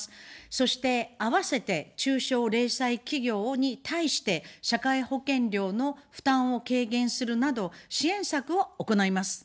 そして、併せて中小零細企業に対して、社会保険料の負担を軽減するなど支援策を行います。